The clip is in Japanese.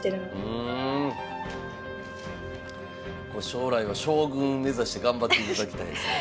将来は将軍目指して頑張っていただきたいですね。